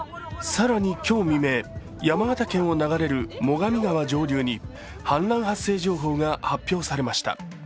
更に今日未明、山形県を流れる最上川上流に氾濫発生情報が発表されました。